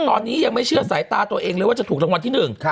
ตอนนี้ยังไม่เชื่อสายตาตัวเองเลยว่าจะถูกรางวัลที่หนึ่ง